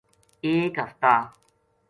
ایک ہفتہ